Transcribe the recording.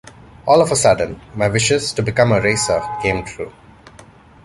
All of a sudden, my wishes to become a racer came true.